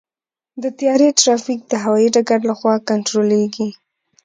د طیارې ټرافیک د هوايي ډګر لخوا کنټرولېږي.